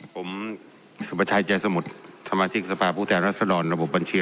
ผมสุประชัยใจสมุทรสมาชิกสภาพผู้แทนรัศดรระบบบัญชี